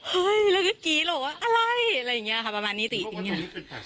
เฮ้ยแล้วก็กรี๊ดหรอกว่าอะไรอะไรอย่างนี้ค่ะประมาณนี้ติอย่างนี้